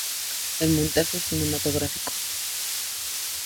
El montaje cinematográfico.